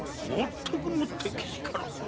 全くもってけしからん。